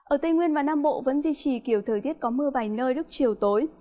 ở tây nguyên và nam bộ vẫn duy trì kiểu thời tiết có mưa vài nơi lúc chiều tối